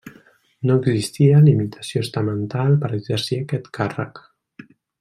No existia limitació estamental per exercir aquest càrrec.